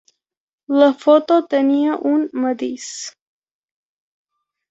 La foto tenia un matís.